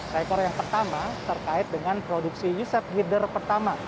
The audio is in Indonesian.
rekor yang pertama terkait dengan produksi uset gider pertama